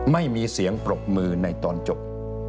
ไม่มีเสียงปรบมือในตอนจบ